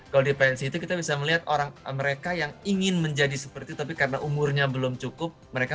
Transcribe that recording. kalau di pensy itu kita bisa melihat orang mereka yang ingin menjadi seperti itu tapi karena umurnya belum cukup